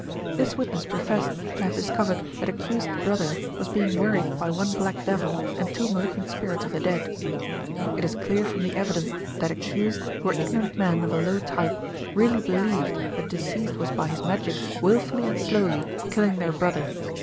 This witness professed to have discovered that accused's brother was being worried by one black devil and two malignant spirits of the dead. It is clear from the evidence that accused, who are ignorant men of a low type, really believed that deceased was by his magic wilfully and slowly killing their brother.